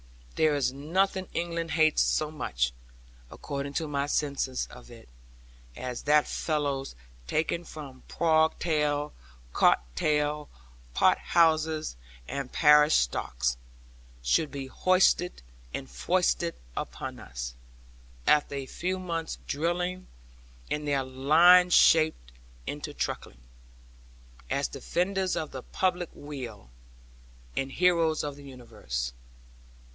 There is nothing England hates so much, according to my sense of it, as that fellows taken from plough tail, cart tail, pot houses and parish stocks, should be hoisted and foisted upon us (after a few months' drilling, and their lying shaped into truckling) as defenders of the public weal, and heroes of the universe.